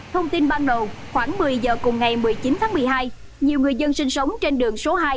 thông tin ban đầu khoảng một mươi giờ cùng ngày một mươi chín tháng một mươi hai nhiều người dân sinh sống trên đường số hai